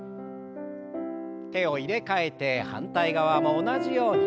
手を入れ替えて反対側も同じように。